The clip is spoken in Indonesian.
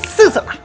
seh seh la